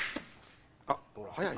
あっ早い。